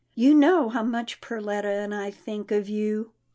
" You know how much Perletta and I think of you."